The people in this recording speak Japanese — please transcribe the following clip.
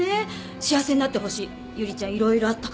幸せになってほしい由梨ちゃん色々あったから。